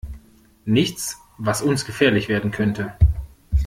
Nichts, was uns gefährlich werden könnte.